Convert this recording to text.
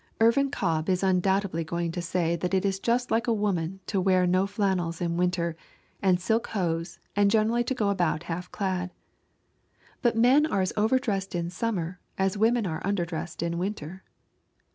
Irvin Cobb is undoubtedly going to say that it is just like a woman to wear no flannels in winter, and silk hose, and generally go about half clad. But men are as over dressed in summer as women are under dressed in winter.